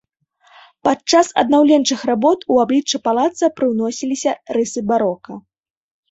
Падчас аднаўленчых работ у аблічча палаца прыўносіліся рысы барока.